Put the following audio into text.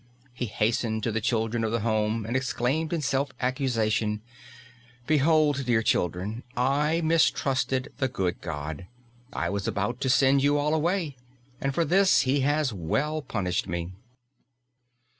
He hastened to the children of the home and exclaimed in self accusation "Behold, dear children, I mistrusted the good God. I was about to send you all away, and for this He has well punished me!"